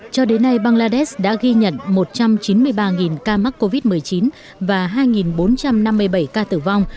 cho đến nay bangladesh đã ghi nhận một trăm chín mươi ba ca mắc covid một mươi chín và hai bốn trăm năm mươi bảy ca tử vong